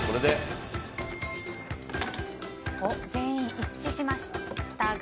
全員、一致しましたが。